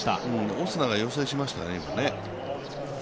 オスナが要請しましたね。